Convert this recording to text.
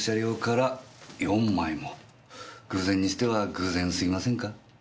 偶然にしては偶然すぎませんか？